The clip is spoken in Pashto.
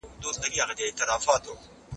مهارتونه د تمرین په مټ ترلاسه کیږي.